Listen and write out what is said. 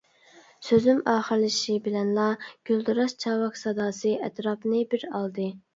سۆزۈم ئاخىرلىشىشى بىلەنلا گۈلدۈراس چاۋاك ساداسى ئەتراپنى بىر ئالدى.